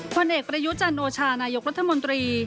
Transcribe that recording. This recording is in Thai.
ผลเอกประยุทธ์จันนโอชานายกวัตถมนตรี